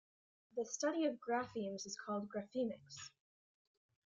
The study of graphemes is called graphemics.